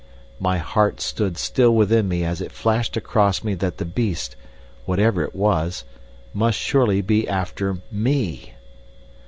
My heart stood still within me as it flashed across me that the beast, whatever it was, must surely be after ME.